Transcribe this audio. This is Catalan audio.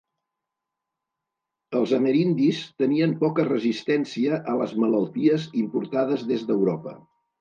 Els amerindis tenien poca resistència a les malalties importades des d'Europa.